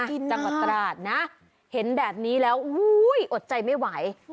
จังหวัดตราดนะเห็นแบบนี้แล้วอดใจไม่ไหว